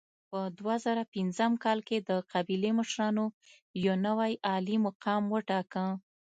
په دوه زره پنځم کال کې د قبیلې مشرانو یو نوی عالي مقام وټاکه.